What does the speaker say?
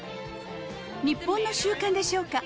日本の習慣でしょうか。